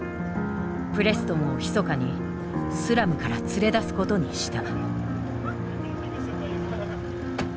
プレストンをひそかにスラムから連れ出すことにした。